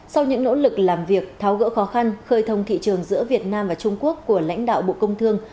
sau những nỗ lực làm việc tháo gỡ khó khăn khơi thông thị trường giữa việt nam và trung quốc của lãnh đạo bộ công thương